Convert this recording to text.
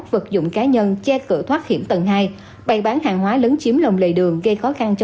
vật dụng cá nhân che cửa thoát hiểm tầng hai bày bán hàng hóa lớn chiếm lòng lề đường gây khó khăn cho